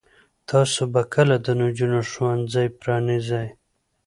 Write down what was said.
تاسو به کله د نجونو ښوونځي پرانیزئ؟